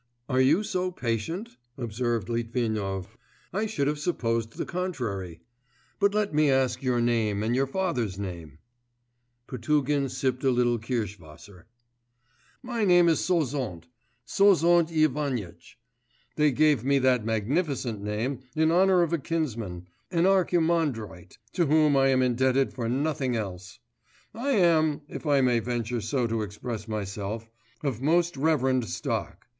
'Are you so patient?' observed Litvinov. 'I should have supposed the contrary. But let me ask your name and your father's name?' Potugin sipped a little kirsch wasser. 'My name is Sozont.... Sozont Ivanitch. They gave me that magnificent name in honour of a kinsman, an archimandrite, to whom I am indebted for nothing else. I am, if I may venture so to express myself, of most reverend stock.